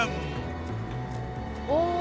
お！